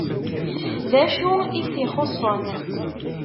D acu i t-ixuṣṣen?